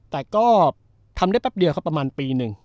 แต่ก็ทำได้แป๊บเดียวครับประมาณปีหนึ่ง